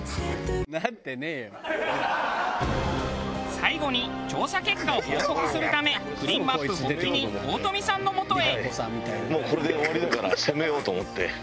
最後に調査結果を報告するため『プリンマップ』発起人大富さんのもとへ。